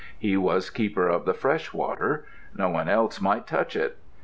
He was keeper of the fresh water. No one else might touch it.